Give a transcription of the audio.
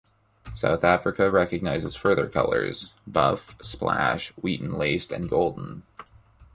South Africa recognises further colours; buff, splash, wheaten laced and golden.